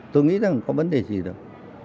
tôi nghĩ rằng không có vấn đề gì đâu